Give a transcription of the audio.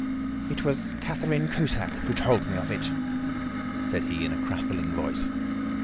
"It was Catherine Cusack who told me of it," said he in a crackling voice.